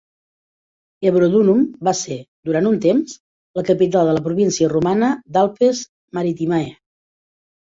Ebrodunum va ser, durant un temps, la capital de la província romana d'"Alpes Maritimae".